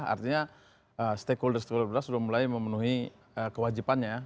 artinya stakeholders stakeholders sudah mulai memenuhi kewajipannya